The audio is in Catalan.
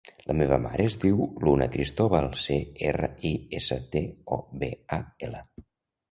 La meva mare es diu Luna Cristobal: ce, erra, i, essa, te, o, be, a, ela.